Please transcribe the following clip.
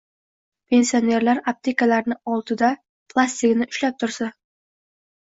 Pensionerlar aptekalarni oldida plastigini ushlab tursa...